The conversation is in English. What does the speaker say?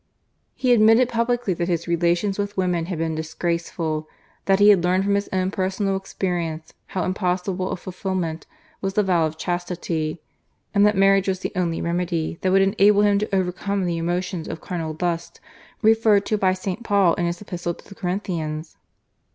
He admitted publicly that his relations with women had been disgraceful, that he had learned from his own personal experience how impossible of fulfilment was the vow of chastity, and that marriage was the only remedy that would enable him to overcome the emotions of carnal lust referred to by St. Paul in his epistle to the Corinthians (I.